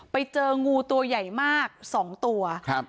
ไปเจองูตัวใหญ่มากสองตัวครับ